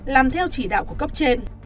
làm theo chỉ đạo của cấp trên